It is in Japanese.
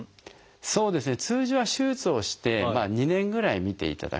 そうですね通常は手術をして２年ぐらい見ていただくんですね。